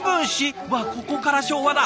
うわっここから昭和だ。